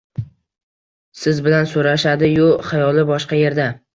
Siz bilan so‘rashadi-yu, xayoli boshqa yerda.